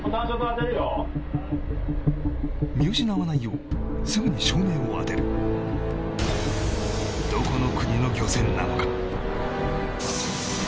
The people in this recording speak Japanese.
見失わないようすぐに照明を当てるどこの国の漁船なのか？